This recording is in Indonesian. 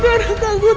dia orang kagum tante